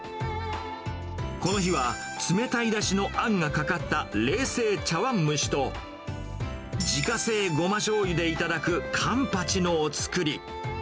この日は、冷たいだしのあんがかかった冷製茶わん蒸しと、自家製ごましょうゆで頂くカンパチのおつくり。